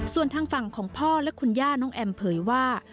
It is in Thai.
ส่วนทางฝั่งของพ่อและคุณย่าน้องแอมเผยว่า